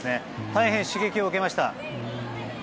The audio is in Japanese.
大変、刺激を受けました。